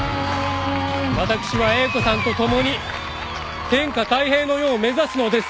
私は英子さんと共に天下泰平の世を目指すのです。